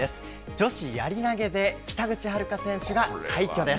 女子やり投げで、北口榛花選手が快挙です。